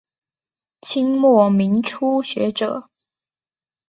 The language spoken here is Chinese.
清末民初学者。